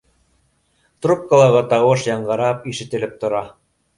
Трубкалағы тауыш яңғырап, ишетелеп тора